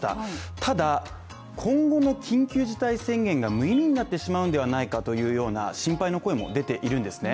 ただ、今後の緊急事態宣言が無意味になってしまうんではないかというような心配の声も出ているんですね。